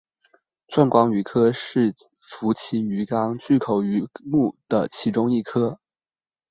钻光鱼科是辐鳍鱼纲巨口鱼目的其中一科。